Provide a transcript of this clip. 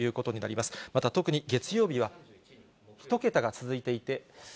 また特に月曜日は１桁が続いていて。